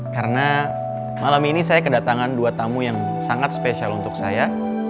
karena malam ini saya kedatangan dua tamu yang sangat spesial untuk saya